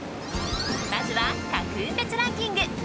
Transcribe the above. まずは、各運別ランキング。